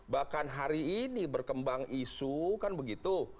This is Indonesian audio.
bahkan hari ini berkembang isu kan begitu